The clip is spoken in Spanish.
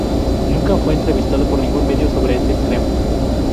Nunca fue entrevistado por ningún medio sobre este extremo.